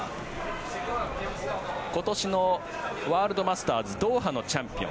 今年のワールドマスターズドーハのチャンピオン。